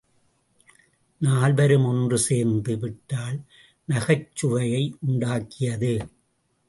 நால்வரும் ஒன்று சேர்ந்து விட்டால் நகைச்சுவையை உண்டாக்கியது.